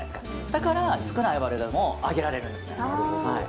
だから少ない油でも揚げられるんです。